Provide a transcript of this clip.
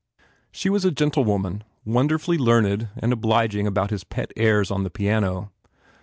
She was a gentlewoman, wonderfully learned and obliging about his pet airs on the piano.